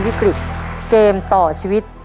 ที่มีวิกฤตเกมต่อชีวิต